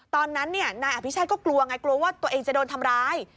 ตอนนั้นนายอภิชาติก็กลัวไงกลัวว่าตัวเองจะโดนทำร้าย